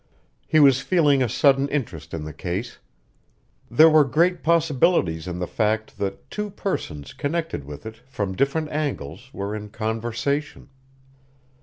He was feeling a sudden interest in this case. There were great possibilities in the fact that two persons connected with it from different angles were in conversation.